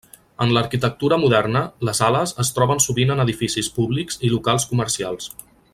En l'arquitectura moderna, les ales es troben sovint en edificis públics i locals comercials.